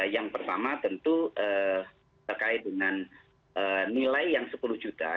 yang pertama tentu terkait dengan nilai yang sepuluh juta